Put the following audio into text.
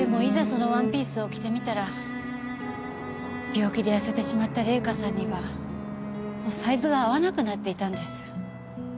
そのワンピースを着てみたら病気で痩せてしまった玲香さんにはもうサイズが合わなくなっていたんです。